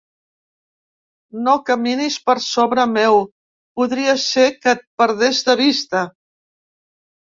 No caminis per sobre meu, podria ser que et perdés de vista.